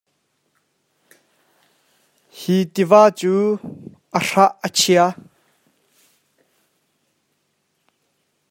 Hi tiva cu a hrah a chia.